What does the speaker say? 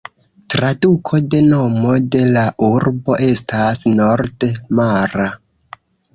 Traduko de nomo de la urbo estas "nord-mara".